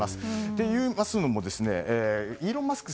といいますのもイーロン・マスク